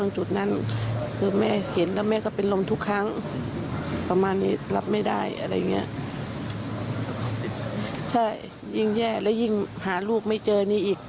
ใช่ยิ่งแย่และยิ่งหาลูกไม่เจอนี่อีก